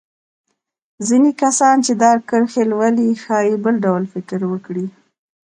ځينې کسان چې دا کرښې لولي ښايي بل ډول فکر وکړي.